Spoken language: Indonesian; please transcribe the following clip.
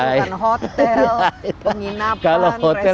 karena kan ini bukan hotel